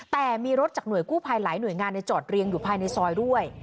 แต่มีรถจากหน่วยกู้ภัยหลายหน่วยงานจอดเรียงอยู่ภายในซอยด้วย